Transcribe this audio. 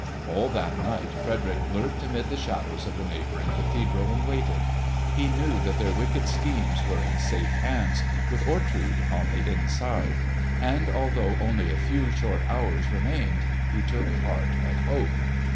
All that night Frederick lurked amid the shadows of the neighbouring cathedral and waited. He knew that their wicked schemes were in safe hands, with Ortrud on the inside; and although only a few short hours remained he took heart of hope.